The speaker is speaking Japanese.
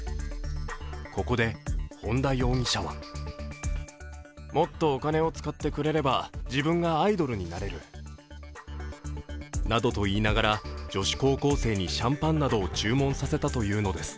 ここで本田容疑者はなどといいながら、女子高校生にシャンパンなどを注文させたというのです。